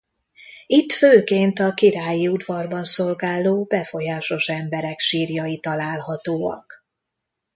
Itt főként a királyi udvarban szolgáló befolyásos emberek sírjai találhatóak.